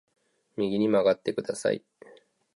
右に曲がってください